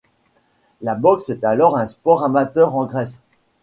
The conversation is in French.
La boxe est alors un sport amateur en Grèce.